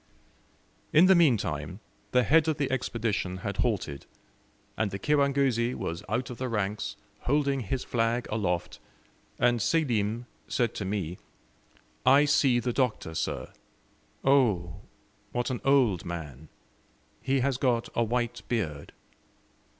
In the meantime, the head of the Expedition had halted, and the kirangozi was out of the ranks, holding his flag aloft, and Selim said to me, "I see the Doctor, sir. Oh, what an old man! He has got a white beard."